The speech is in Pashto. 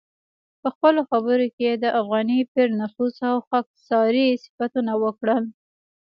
په خپلو خبرو کې یې د افغاني پیر نفوذ او خاکساري صفتونه وکړل.